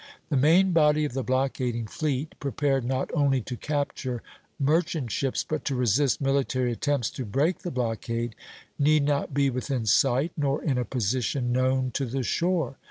The main body of the blockading fleet, prepared not only to capture merchant ships but to resist military attempts to break the blockade, need not be within sight, nor in a position known to the shore.